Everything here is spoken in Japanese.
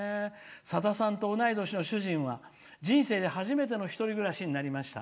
「さださんと同じ年の主人は人生で初めての１人暮らしになりました。